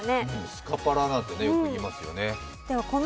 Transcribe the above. スカパラなんてよく言いますよね。